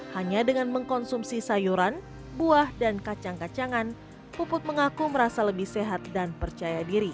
hanya dengan mengkonsumsi sayuran buah dan kacang kacangan puput mengaku merasa lebih sehat dan percaya diri